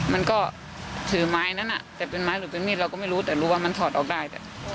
มันก็ถือไม้นั้นแต่เป็นไม้หรือเป็นมีดเราก็ไม่รู้แต่รู้ว่ามันถอดออกได้